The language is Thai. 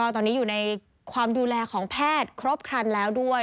ตอนนี้อยู่ในความดูแลของแพทย์ครบครันแล้วด้วย